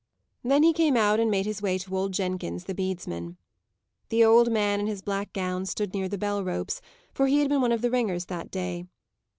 Then he came out, and made his way to old Jenkins the bedesman. The old man, in his black gown, stood near the bell ropes, for he had been one of the ringers that day.